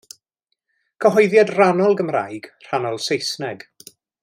Cyhoeddiad rhannol Gymraeg, rhannol Saesneg.